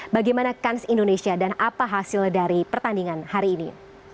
bagaimana kans indonesia dan apa hasil dari pertandingan hari ini